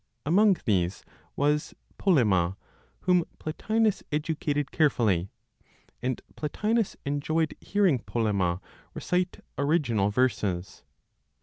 Among these was Polemo, whom Plotinos educated carefully; and Plotinos enjoyed hearing Polemo recite original verses